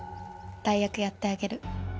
代役やってあげる。